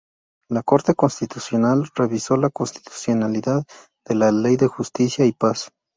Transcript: La Corte Constitucional revisó la constitucionalidad de la Ley de Justicia y Paz.